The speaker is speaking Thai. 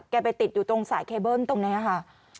ไปติดอยู่ตรงสายเคเบิ้ลตรงนี้ค่ะ